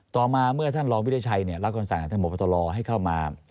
ต่อมาเมื่อท่านร้องวิทยาชัยเนี่ยแล้วก็สั่งท่านหมดปฎรอให้เข้ามา